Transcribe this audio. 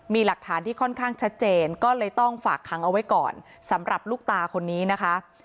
มีหลักฐานที่ค่อนข้างชัดเจนก็เลยต้องฝากขังเอาไว้ก่อนสำหรับลูกตาคนนี้นะคะ